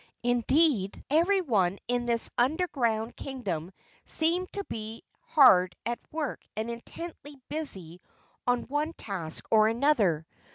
Indeed everyone in this underground kingdom seemed to be hard at work and intently busy on one task or another.